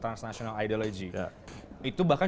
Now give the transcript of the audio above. transnational ideology itu bahkan